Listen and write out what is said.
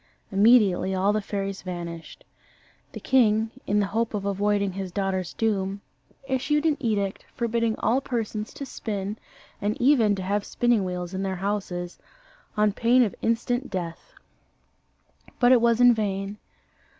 Immediately all the fairies vanished. The king, in the hope of avoiding his daughter's doom, issued an edict, forbidding all persons to spin, and even to have spinning wheels in their houses, on pain of instant death. But it was in vain.